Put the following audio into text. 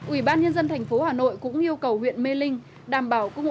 ủy ban nhân dân thành phố hà nội cũng yêu cầu huyện mê linh đảm bảo cung ứng lương thực